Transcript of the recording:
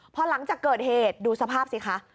พอหลังจากเกิดเหตุดูสภาพสิคะ